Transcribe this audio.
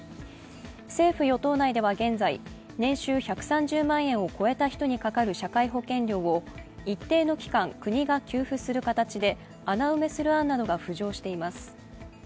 政府・与党内では現在、年収１３０万円を超えた人にかかる社会保険料を、一定の期間、国が給付する形で穴埋めする案などが浮上しています。